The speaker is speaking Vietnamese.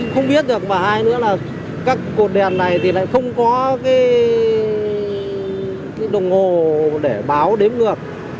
không biết được và hai nữa là các cột đèn này thì lại không có cái đồng hồ để báo đếm ngược